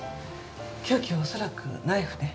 凶器は恐らくナイフね。